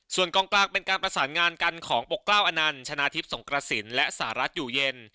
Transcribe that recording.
ส่วนกองกลางเป็นการประสานงานกันของปกกล้าอนันต์ชนะทิพย์สงกระสินและสหรัฐอยู่เย็น